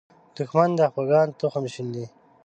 دښمن د خپګان تخم شیندي